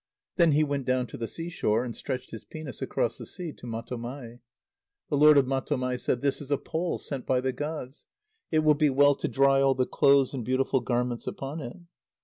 Then he went down to the sea shore, and stretched his penis across the sea to Matomai. The lord of Matomai said: "This is a pole sent by the gods. It will be well to dry all the clothes and beautiful garments upon it."